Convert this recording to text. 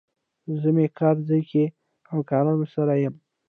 زه مې کار ځای کې همکارانو سره یم.